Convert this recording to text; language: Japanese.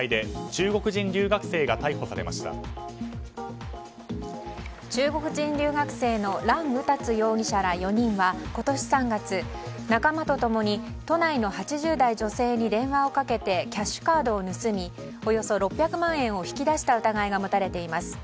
中国人留学生のラン・ウタツ容疑者ら４人は今年３月、仲間と共に都内の８０代女性に電話をかけてキャッシュカードを盗みおよそ６００万円を引き出した疑いが持たれています。